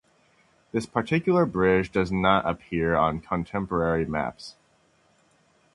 This particular bridge does not appear on contemporary maps.